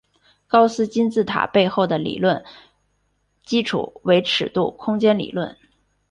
高斯金字塔背后的理论基础为尺度空间理论。